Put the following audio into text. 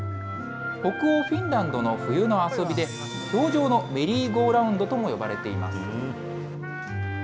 北欧フィンランドの冬の遊びで、氷上のメリーゴーラウンドとも呼ばれています。